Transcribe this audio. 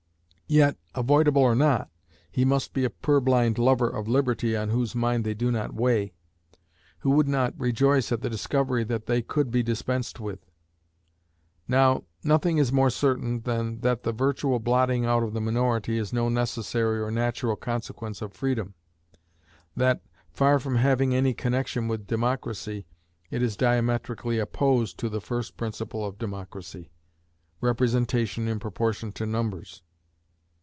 Yet, avoidable or not, he must be a purblind lover of liberty on whose mind they do not weigh; who would not rejoice at the discovery that they could be dispensed with. Now, nothing is more certain than that the virtual blotting out of the minority is no necessary or natural consequence of freedom; that, far from having any connection with democracy, it is diametrically opposed to the first principle of democracy, representation in proportion to numbers.